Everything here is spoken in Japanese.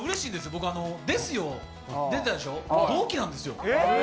僕、ですよ出たでしょ、同期なんですよ。